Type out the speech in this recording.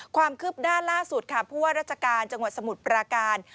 ความคืบหน้าล่าสุดค่ะผู้ว่าราชการจังหวัดสมุทรปราการ